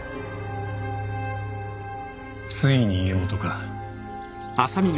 ついに家元か。